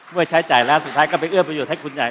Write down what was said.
เมื่อใช้จ่ายแล้วสุดท้ายก็ไปเอื้อประโยชน์ให้คุณใหญ่